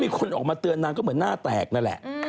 คนออกมาเตือนนางก็เหมือนหน้าแตกนั่นแหละ